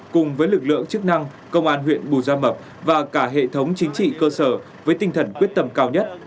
cùng với lực lượng chức năng công an huyện bù gia mập và cả hệ thống chính trị cơ sở với tinh thần quyết tâm cao nhất